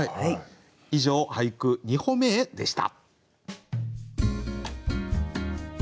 以上「俳句、二歩目へ」でした。